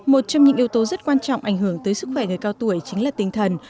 một trong những yếu tố rất quan trọng ảnh hưởng tới sức khỏe người cao tuổi chính là tinh thần